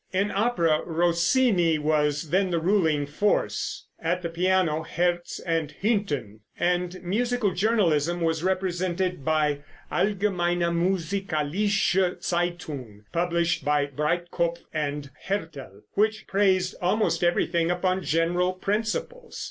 In opera Rossini was then the ruling force. At the piano Herz and Hünten; and musical journalism was represented by Allgemeine Musikalische Zeitung, published by Breitkopf & Härtel, which praised almost everything, upon general principles.